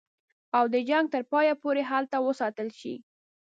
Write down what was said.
او د جنګ تر پایه پوري هلته وساتل شي.